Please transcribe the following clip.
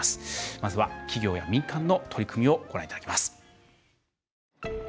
まずは企業と民間の取り組みをご覧いただきます。